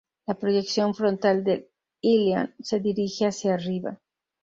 La proyección frontal del ilion se dirige hacia arriba.